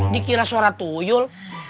dikira suara tuyul